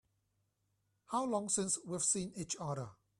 How long since we've seen each other?